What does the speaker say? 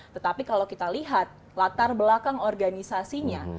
tetapi kalau kita lihat latar belakang organisasinya